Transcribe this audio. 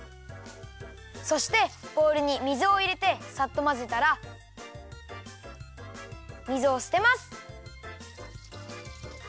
そしてボウルに水をいれてサッとまぜたら水をすてます！